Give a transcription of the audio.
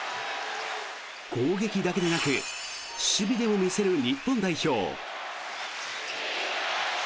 攻撃だけでなく守備でも見せる日本代表。